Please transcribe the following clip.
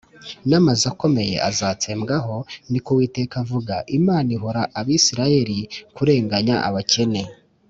n’amazu akomeye azatsembwaho.” Ni ko Uwiteka avuga. Imana ihora Abisirayeli kurenganya abakene